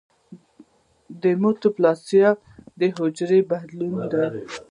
د میټاپلاسیا د حجرو بدلون دی.